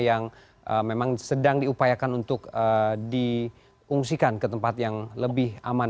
yang memang sedang diupayakan untuk diungsikan ke tempat yang lebih aman